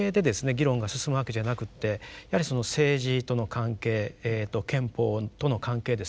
議論が進むわけじゃなくってやはり政治との関係憲法との関係ですね